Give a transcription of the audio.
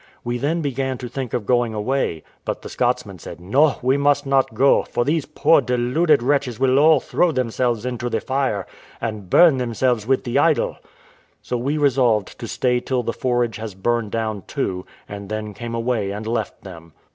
We then began to think of going away; but the Scotsman said, "No, we must not go, for these poor deluded wretches will all throw themselves into the fire, and burn themselves with the idol." So we resolved to stay till the forage has burned down too, and then came away and left them.